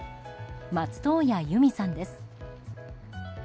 松任谷由実さんです。